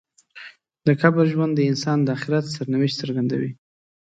د قبر ژوند د انسان د آخرت سرنوشت څرګندوي.